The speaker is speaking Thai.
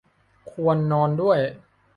ควรนอนด้วย